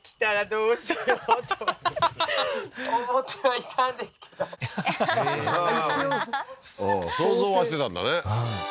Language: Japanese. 一応想像はしてたんだね